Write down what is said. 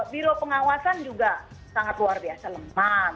biro pengawasan juga sangat luar biasa lemah